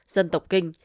dân tộc kinh